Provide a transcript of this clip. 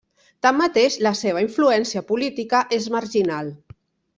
Tanmateix, la seva influència política és marginal.